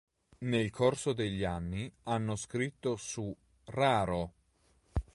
Nel corso degli anni hanno scritto su "Raro!